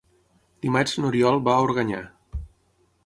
Dimarts n'Oriol va a Organyà.